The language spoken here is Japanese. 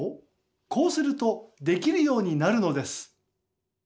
こうするとできるようになるのです。